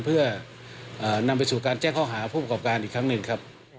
เพื่อนำไปสู่การแจ้งข้อหาผู้ประกอบการอีกครั้งหนึ่งครับ